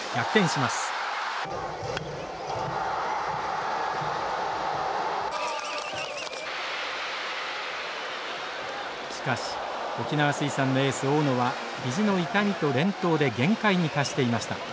しかし沖縄水産のエース大野は肘の痛みと連投で限界に達していました。